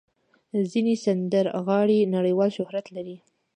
ځینې سندرغاړي نړیوال شهرت لري.